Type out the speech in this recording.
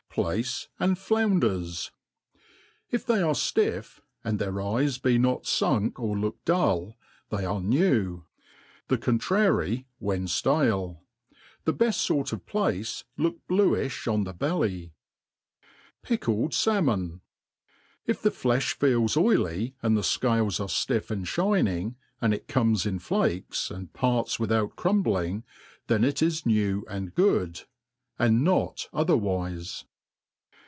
Plaife and Flounders, IF they are ftifF, and their eyes be not funk or look dull, they ar« new ; the contrary when ftale. The beft fort of plaife look bluifti on the belly. Pickled Salmon. IF the ftefli feels oily, and the fcales tire ftpfF and ftiining, and it comes in flakes, and parts without crumbling, then it is new and good, and not otherwife.